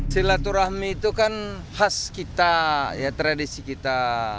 silaturahmi itu kan khas kita ya tradisi kita